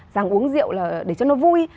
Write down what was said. rằng uống rượu là để cho nó vui